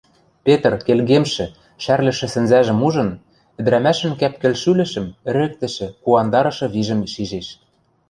Петр, келгемшӹ, шӓрлӹшӹ сӹнзӓжӹм ужын, ӹдӹрӓмӓшӹн кӓп-кӹл шӱлӹшӹм, ӹрӹктӹшӹ, куандарышы вижӹм шижеш.